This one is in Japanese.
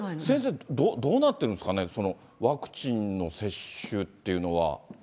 先生、どうなってるんですかね、ワクチンの接種っていうのは。